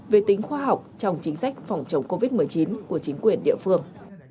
về tính khoa học trong chính sách phòng chống covid một mươi chín của chính quyền địa phương